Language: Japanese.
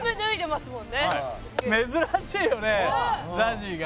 珍しいよねＺＡＺＹが。